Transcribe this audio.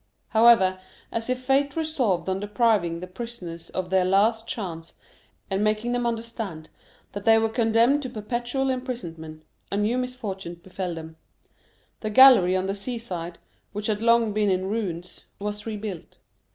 However, as if fate resolved on depriving the prisoners of their last chance, and making them understand that they were condemned to perpetual imprisonment, a new misfortune befell them; the gallery on the sea side, which had long been in ruins, was rebuilt.